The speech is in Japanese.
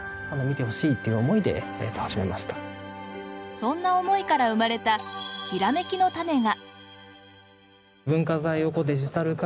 そんな思いから生まれたヒラメキのタネが！